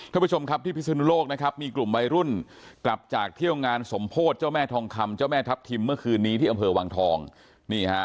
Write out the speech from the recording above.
ท่านผู้ชมครับที่พิศนุโลกนะครับมีกลุ่มวัยรุ่นกลับจากเที่ยวงานสมโพธิเจ้าแม่ทองคำเจ้าแม่ทัพทิมเมื่อคืนนี้ที่อำเภอวังทองนี่ฮะ